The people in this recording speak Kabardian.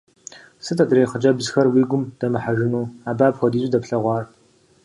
Сыт адрей хъыджэбзхэр уи гум дэмыхьэжыну, абы апхуэдизу дэплъэгъуар?